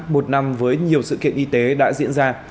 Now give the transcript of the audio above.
một năm với nhiều sự kiện y tế đã diễn ra